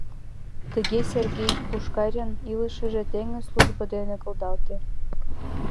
Тыге Сергей Пушкарьын илышыже теҥыз службо дене кылдалте.